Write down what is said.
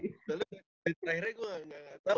terus dari terakhirnya gua gak tau